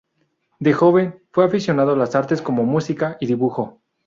De joven, fue aficionado a las artes como música y dibujo.